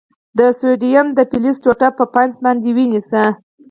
د سوډیم د فلز ټوټه په پنس باندې ونیسئ.